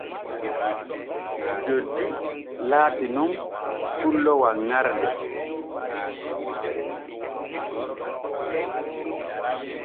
Joddi laati nun pullo wanŋarde.